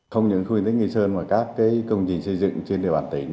không những khu kinh tế nghi sơn mà các công trình xây dựng trên địa bàn tỉnh